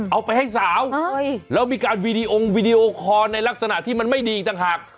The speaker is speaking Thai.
เอาไปให้สาวแล้วมีการวีดีโอ้งวิดีโอคอร์หลักษณะที่มันไม่ดีจังห่าก